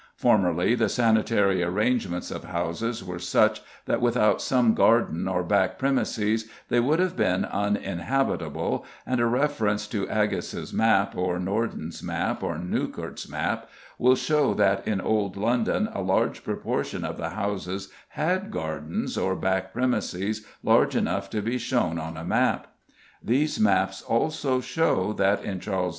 Formerly the sanitary arrangements of houses were such that without some garden or back premises they would have been uninhabitable, and a reference to Aggas's map, or Norden's map, or Newcourt's map, will show that in Old London a large proportion of the houses had gardens or back premises large enough to be shown on a map. These maps also show that in Charles II.